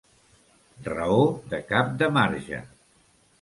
Raó de cap de marge.